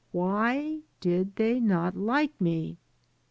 Why did they not like me?